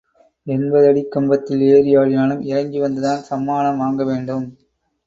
எண்பது அடிக் கம்பத்தில் ஏறி ஆடினாலும் இறங்கி வந்துதான் சம்மானம் வாங்க வேண்டும்!